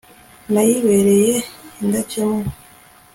nayibereye indakemwa